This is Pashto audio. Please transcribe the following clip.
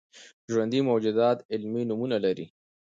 ژوندي موجودات علمي نومونه لري